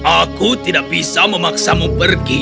aku tidak bisa memaksamu pergi